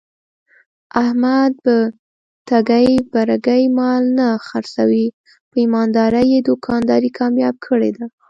احمد په ټګۍ برگۍ مال نه خرڅوي. په ایماندارۍ یې دوکانداري کامیاب کړې ده.